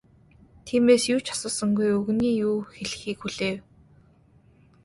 Тиймээс юу ч асуусангүй, өвгөний юу хэлэхийг хүлээв.